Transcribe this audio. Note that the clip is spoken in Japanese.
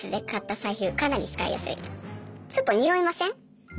ちょっと匂いません？